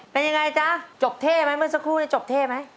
เป็นยังไงจ๊ะจบเท่ไหมเมื่อสักครู่นี้จบเท่ไหม